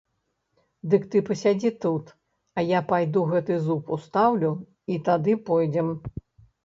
Дык ты пасядзі тут, а я пайду гэты зуб устаўлю, і тады пойдзем.